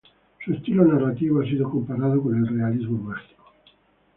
Su estilo narrativo ha sido comparado con el realismo mágico.